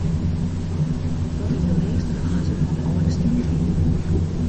Dat is de lêste faze fan de âlde stientiid.